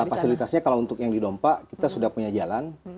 fasilitasnya kalau untuk yang di dompa kita sudah punya jalan